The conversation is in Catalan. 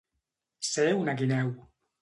Ser una guineu.